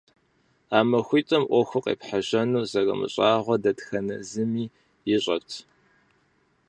А махуитӀыми Ӏуэху къепхьэжьэну зэрымыщӀагъуэр дэтхэнэ зыми ищӀэрт.